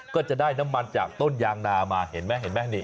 ก็จะได้น้ำมันจากต้นยางนามาเห็นไหมเห็นไหมนี่